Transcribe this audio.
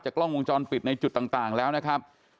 กล้องวงจรปิดในจุดต่างแล้วนะครับ